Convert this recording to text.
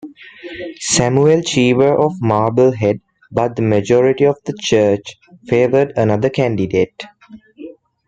Samuel Cheever of Marblehead, but the majority of the church favored another candidate.